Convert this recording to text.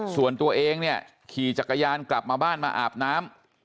ส่วนตัวเองเนี่ยขี่จักรยานกลับมาบ้านมาอาบน้ำ